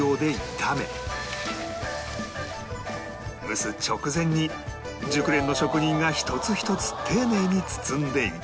蒸す直前に熟練の職人が一つ一つ丁寧に包んでいき